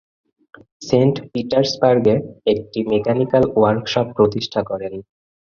Saint পিটার্সবার্গে একটি mechanical workshop প্রতিষ্ঠা করেন।